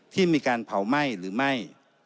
ที่มีการเผาไหม้หรือไม่